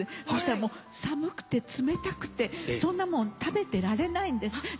そしたらもう寒くて冷たくてそんなもん食べてられないんです。